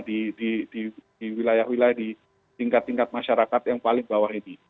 di wilayah wilayah di tingkat tingkat masyarakat yang paling bawah ini